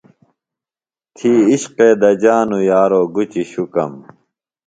تھی عشقے دجانوۡ یارو گُچیۡ شُکم۔